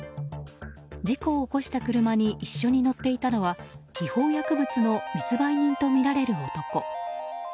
事故を起こした車に一緒に乗っていたのは違法薬物の密売人とみられる男。